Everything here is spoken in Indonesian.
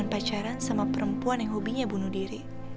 dan dia juga sudah berpacaran sama perempuan yang hobinya bunuh diri